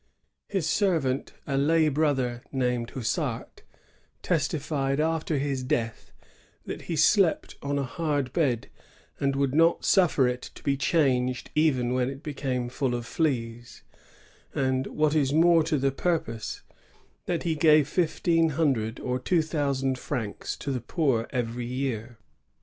His servant, a lay brother named Houssart, testified, after his death, that he slept on a hard bed, and would not suffer it to be changed even when it became full of fleas; and, what is more to the purpose, that he gave fifteen hundred or two thousand francs to the poor every year.